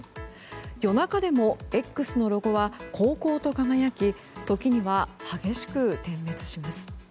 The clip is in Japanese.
夜中でも「Ｘ」のロゴは煌々と輝き時には激しく点滅します。